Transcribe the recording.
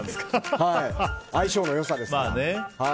相性の良さですから。